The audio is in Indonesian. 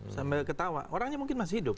sambil ketawa orangnya mungkin masih hidup